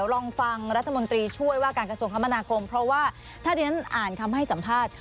ลองฟังรัฐมนตรีช่วยว่าการกระทรวงคมนาคมเพราะว่าถ้าที่ฉันอ่านคำให้สัมภาษณ์